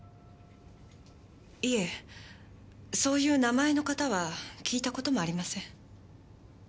いえそういう名前の方は聞いたこともありません。